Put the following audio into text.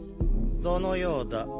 そのようだ。